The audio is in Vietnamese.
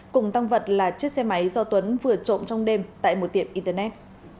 cùng tăng vật là chiếc xe máy do tuấn vừa trộm trong đêm tại một tiệm internet